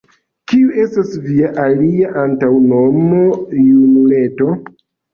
kiu estas via alia antaŭnomo, junuleto?